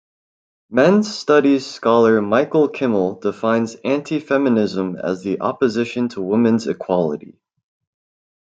Men's studies scholar Michael Kimmel defines antifeminism as the opposition to women's equality.